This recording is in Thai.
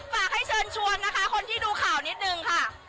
ฝากให้เชิญชวนนะคะคนที่ดูข่าวนิดนึงค่ะ